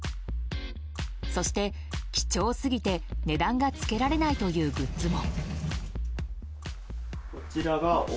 そして、貴重すぎて値段がつけられないというグッズも。